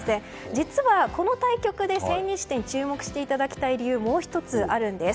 実はこの対局で千日手に注目していただきたい理由が、もう１つあるんです。